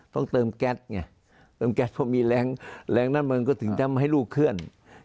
ต้องเติมแก๊สไงเติมแก๊สเพราะมีแรงแรงด้านมันก็ถึงจะไม่ให้ลูกเคลื่อน